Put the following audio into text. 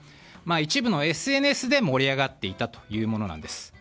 一部のＳＮＳで盛り上がっていたというものです。